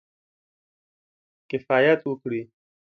کفایت وکړي.